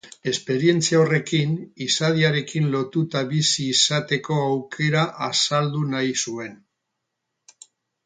Esperientzia horrekin izadiarekin lotuta bizi izateko aukera azaldu nahi zuen.